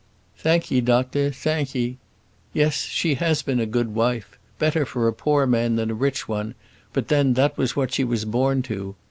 "Thank'ee, doctor, thank'ee. Yes; she has been a good wife better for a poor man than a rich one; but then, that was what she was born to.